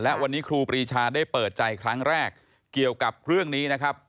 และวันนี้ครูปรีชาได้เปิดใจครั้งแรกเกี่ยวกับเรื่องนี้นะครับ